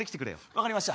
分かりました。